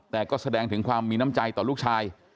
แต่ก็แสดงถึงความมีน้ำใจต่อลูกชาย